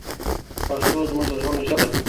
پښتو زموږ د زړونو ژبه ده.